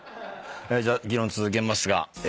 じゃあ議論続けますが。